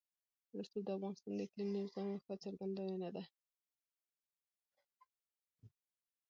رسوب د افغانستان د اقلیمي نظام یوه ښه ښکارندوی ده.